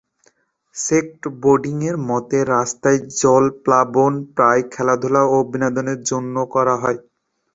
স্কেটবোর্ডিংয়ের মতো, রাস্তায় জলপ্লাবন প্রায়ই খেলাধুলা ও বিনোদনের জন্য করা হয়।